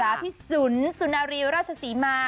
รัพฤษุณสุนารีวราชศรีมา